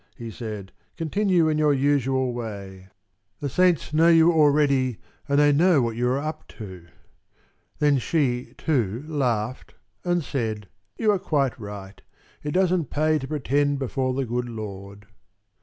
he said, "continue in your usual way. The saints know you already, and they know what you are up to." Then she, too, laughed and said: "You are quite right. It doesn't pay to pretend before the good Lord."